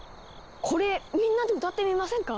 これみんなで歌ってみませんか？